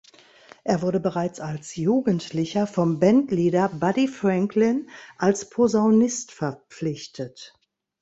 Er wurde bereits als Jugendlicher vom Bandleader Buddy Franklin als Posaunist verpflichtet.